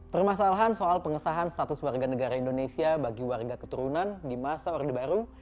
permasalahan soal pengesahan status warga negara indonesia bagi warga keturunan di masa orde baru